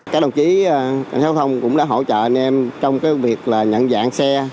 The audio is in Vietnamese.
các đồng chí cảnh sát giao thông cũng đã hỗ trợ anh em trong việc là nhận dạng xe